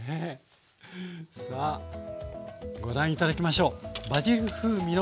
さあご覧頂きましょう。